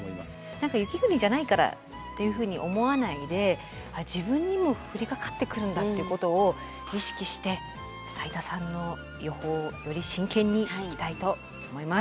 何か雪国じゃないからっていうふうに思わないで自分にも降りかかってくるんだっていうことを意識して斉田さんの予報をより真剣に聞きたいと思います。